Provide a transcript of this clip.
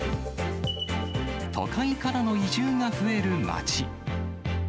都会からの移住が増える町。